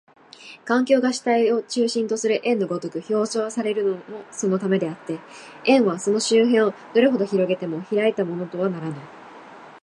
環境が主体を中心とする円の如く表象されるのもそのためであって、円はその周辺をどれほど拡げても開いたものとはならぬ。